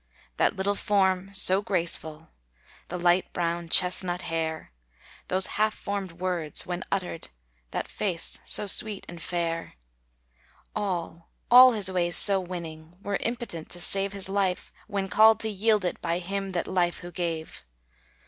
That little form so graceful, The light brown chestnut hair; Those half formed words when uttered, That face so sweet and fair; All, all his ways so winning, Were impotent to save His life, when called to yield it By Him that life who gave.